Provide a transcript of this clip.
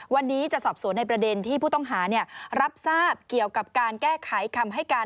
วันนี้จะสอบสวนในประเด็นที่ผู้ต้องหารับทราบเกี่ยวกับการแก้ไขคำให้การ